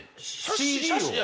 ＣＤを。